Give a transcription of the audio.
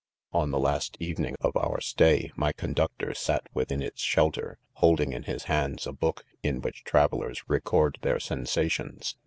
— On the last evening of our stay, my conductor sat within its shelter, holding in his hands a book in which travellers record their sensa tions.